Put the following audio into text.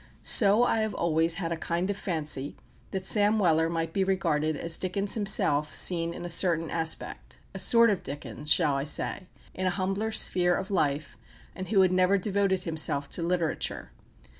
So I have always had a kind of fancy that Sam Weller might be regarded as Dickens himself seen in a certain aspect a sort of Dickens, shall I say? in an humbler sphere of life, and who had never devoted himself to literature.